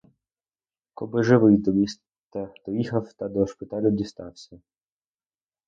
Коби живий до міста доїхав та до шпиталю дістався.